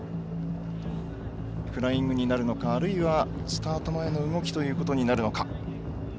フライングになるのかあるいはスタート前の動きということになるのか。